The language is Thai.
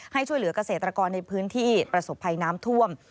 ช่วยเหลือกเกษตรกรในพื้นที่ประสบภัยน้ำท่วม